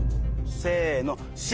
せの。